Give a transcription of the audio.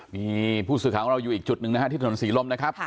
มีผู้สื่อข่าวของเราอยู่อีกจุดหนึ่งนะฮะที่ถนนศรีลมนะครับ